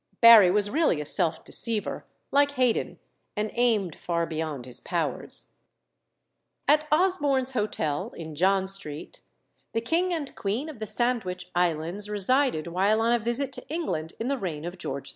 Barry was really a self deceiver, like Haydon, and aimed far beyond his powers. At Osborne's Hotel, in John Street, the King and Queen of the Sandwich Islands resided while on a visit to England in the reign of George IV.